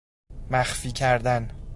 مخفی کردن